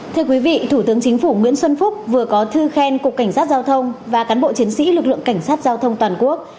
thưa quý vị thủ tướng chính phủ nguyễn xuân phúc vừa có thư khen cục cảnh sát giao thông và cán bộ chiến sĩ lực lượng cảnh sát giao thông toàn quốc